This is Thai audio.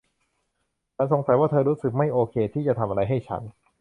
ฉันสงสัยว่าเธอรู้สึกไม่โอเคที่จะทำอะไรให้ฉัน